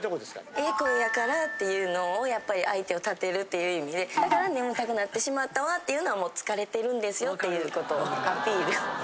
「ええ声やから」っていうのをやっぱり相手を立てるっていう意味でだから「眠たくなってしまったわ」っていうのはもう疲れてるんですよっていうことをアピール。